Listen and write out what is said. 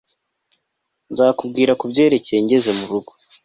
Nzakubwira kubyerekeye ngeze murugo